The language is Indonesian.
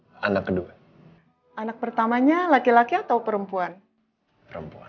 hai anak kedua anak pertamanya laki laki atau perempuan perempuan